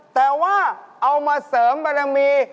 แต่ว่าเอามาเสริมบารมี